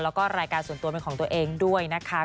แล้วก็รายการส่วนตัวเป็นของตัวเองด้วยนะคะ